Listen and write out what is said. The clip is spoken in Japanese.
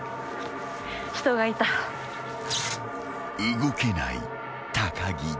［動けない高城だ］